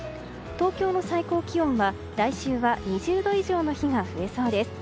東京の最高気温は、来週は２０度以上の日が増えそうです。